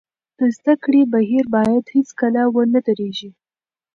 د زده کړې بهیر باید هېڅکله ونه درېږي.